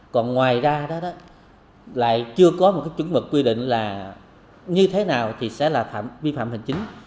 còn ngoài ra đó lại chưa có một cái chứng mực quy định là như thế nào thì sẽ là vi phạm hình chính